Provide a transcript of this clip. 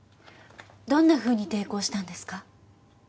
どんなふうに抵抗したんですか？